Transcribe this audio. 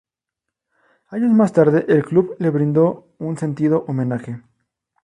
Años más tarde, el Club le brindó un sentido homenaje.